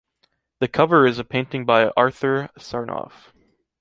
The cover is a painting by Arthur Sarnoff.